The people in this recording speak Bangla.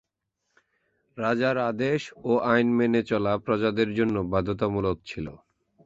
রাজার আদেশ ও আইন মেনে চলা প্রজাদের জন্য বাধ্যতামূলক ছিল।